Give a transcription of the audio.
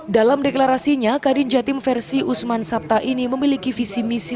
dalam deklarasinya kadin jatim versi usman sabta ini memiliki visi misi